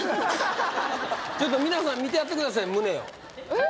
ちょっと皆さん見てやってください胸をえっ？